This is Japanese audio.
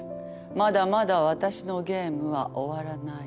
まだまだ私のゲームは終わらない。